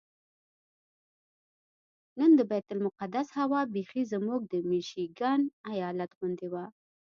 نن د بیت المقدس هوا بیخي زموږ د میشیګن ایالت غوندې وه.